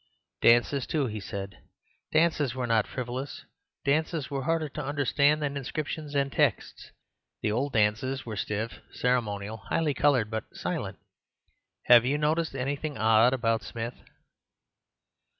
"Dances, too," he said; "dances were not frivolous. Dances were harder to understand than inscriptions and texts. The old dances were stiff, ceremonial, highly coloured but silent. Have you noticed anything odd about Smith?"